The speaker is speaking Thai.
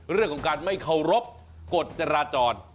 เรื่องของการไม่เคารพกฎจราจร